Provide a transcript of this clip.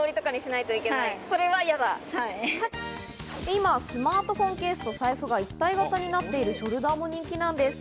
今、スマートフォンケースと財布が一体型になっているショルダーも人気なんです。